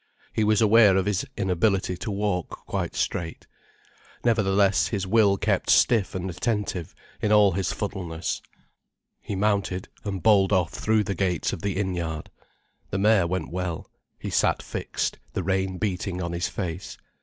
He was aware of his inability to walk quite straight. Nevertheless his will kept stiff and attentive, in all his fuddleness. He mounted and bowled off through the gates of the innyard. The mare went well, he sat fixed, the rain beating on his face.